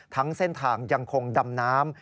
ทั้งเส้นทางยังคงดำน้ำ